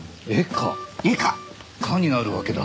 「か」になるわけだ。